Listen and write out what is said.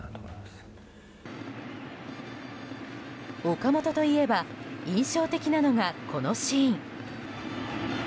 岡本といえば印象的なのがこのシーン。